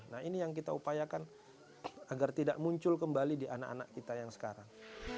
nah ini yang kita upayakan agar tidak muncul kembali di anak anak kita yang sekarang